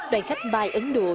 đoàn khách vai ấn độ